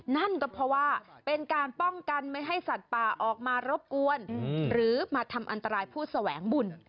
นั่นก็เพราะว่าเป็นการป้องกันไม่ให้สัตว์ป่าออกมารบกวนหรือมาทำอันตรายผู้แสวงบุญ